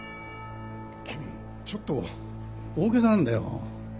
君ちょっと大げさなんだよ。